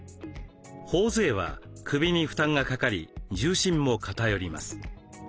ほおづえは首に負担がかかり重心も偏ります。